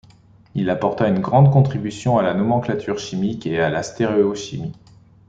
Il apporta une grande contribution à la nomenclature chimique et à la stéréochimie.